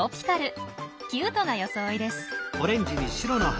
キュートな装いです。